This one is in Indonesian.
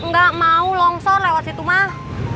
nggak mau longsor lewat situ mah